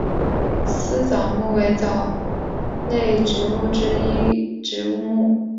丝藻目为藻类植物之一植物目。